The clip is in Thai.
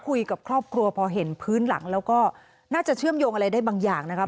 คุยกับครอบครัวพอเห็นพื้นหลังแล้วก็น่าจะเชื่อมโยงอะไรได้บางอย่างนะครับ